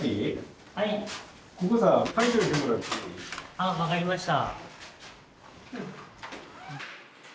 あ分かりました。